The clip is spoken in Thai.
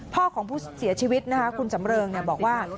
พ่อของผู้เสียชีวิตนะคะคุณสำเริงบอกว่า